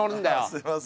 すみません。